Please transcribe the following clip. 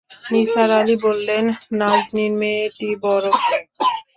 নিসার আলি বললেন, নাজনীন মেয়েটি বড় ভালো।